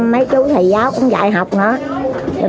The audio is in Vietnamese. mấy chú thầy giáo cũng dạy học nữa